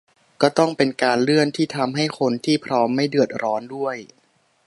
ก็ต้องเป็นการเลื่อนที่ทำให้คนที่พร้อมไม่เดือดร้อนด้วย